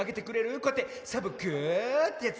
こうやってサボ子ってやつ。